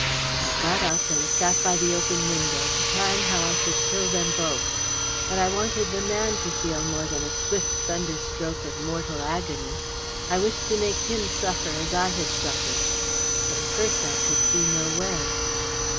I got up, and sat by the open window, to plan how I should kill them both. But I wanted the man to feel more than a swift thunderstroke of mortal agony. I wished to make him suffer as I had suffered, but at first I could see no way.